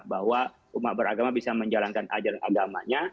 bahwa umat beragama bisa menjalankan ajaran agamanya